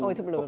oh itu belum